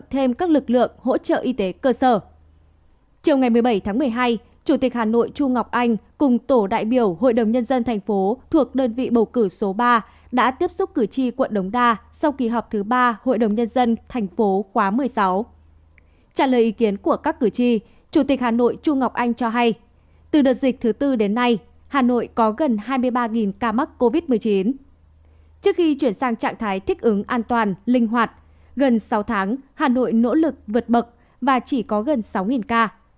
trước khi chuyển sang trạng thái thích ứng an toàn linh hoạt gần sáu tháng hà nội nỗ lực vượt bậc và chỉ có gần sáu ca